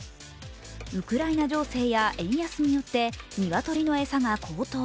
ウクライナ情勢や円安によって鶏の餌が高騰。